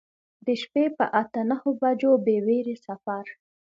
د شپې په اته نهه بجو بې ویرې سفر.